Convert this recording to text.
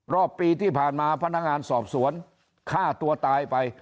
รอบปีที่ผ่านมาพนักงานสอบสวนฆ่าตัวตายไป